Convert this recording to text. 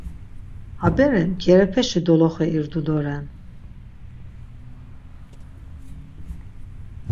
Ha bere mgerepeşi doloxe irdu doren.